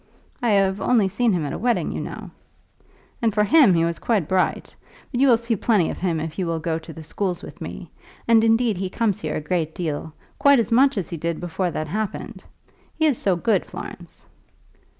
"I have only seen him at a wedding, you know." "And for him he was quite bright. But you will see plenty of him if you will go to the schools with me. And indeed he comes here a great deal, quite as much as he did before that happened. He is so good, Florence!"